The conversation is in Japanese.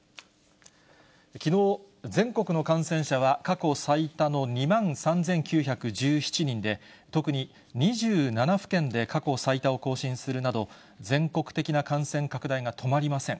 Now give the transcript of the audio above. きのう、全国の感染者は過去最多の２万３９１７人で、特に２７府県で過去最多を更新するなど、全国的な感染拡大が止まりません。